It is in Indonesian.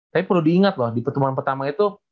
tapi perlu diingat loh di pertemuan pertama itu